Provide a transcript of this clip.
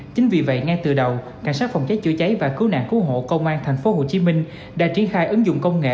chính vì vậy ngay từ đầu cảnh sát phòng cháy chữa cháy và cứu nạn cứu hộ công an tp hcm đã triển khai ứng dụng công nghệ